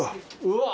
うわ！